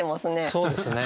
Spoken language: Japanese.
そうですね。